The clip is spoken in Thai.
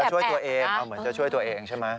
เหมือนจะช่วยตัวเองใช่ไหม